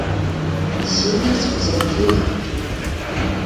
Си нэр схузэтехыркъым.